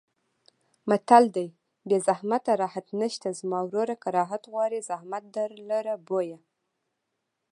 متل دی: بې زحمته راحت نشته زما وروره که راحت غواړې زحمت درلره بویه.